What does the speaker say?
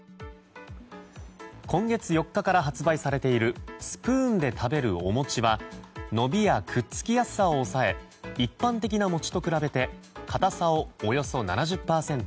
今月４日から発売されているスプーンで食べるおもちは伸びや、くっつきやすさを抑え一般的な餅と比べて硬さをおよそ７０％